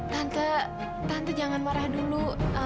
tante tante jangan marah dulu